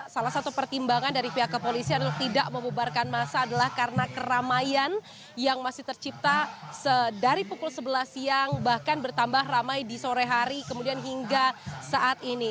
salah satu pertimbangan dari pihak kepolisian untuk tidak membubarkan masa adalah karena keramaian yang masih tercipta dari pukul sebelas siang bahkan bertambah ramai di sore hari kemudian hingga saat ini